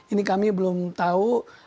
ini kami belum tahu